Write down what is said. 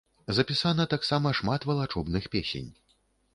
Запісана таксама шмат валачобных песень.